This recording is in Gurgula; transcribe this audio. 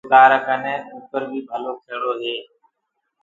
اُرو ڪآرآ ڪني ڪٚڪَر بيٚ ڀلو کيڙو رهي